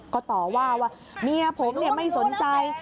ก็ต่อว่าว่าเมียผมไม่สนใจ